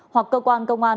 hoặc cơ quan công an